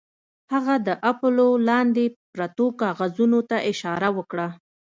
هغه د اپولو لاندې پرتو کاغذونو ته اشاره وکړه